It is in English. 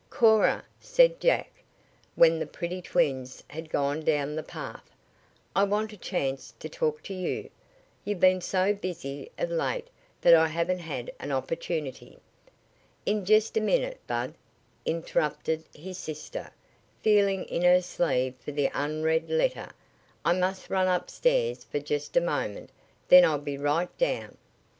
"Cora," said Jack, when the pretty twins had gone down the path, "I want a chance to talk to you. You've been so busy of late that I haven't had an opportunity." "In just a minute, Bud," interrupted his sister, feeling in her sleeve for the unread letter. "I must run upstairs for just a moment. Then I'll be right down."